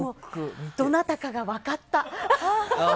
どなたかが分かった。